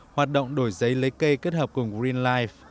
hoạt động đổi giấy lấy cây kết hợp cùng green life